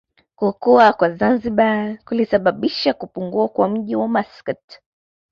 Kukua kwa Zanzibar kulisababisha kupungua kwa mji wa Maskat